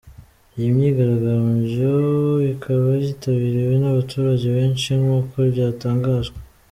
Iyi myigaragambyo ikaba yitabiriwe n’abaturage benshi nk’uko byatangajwe.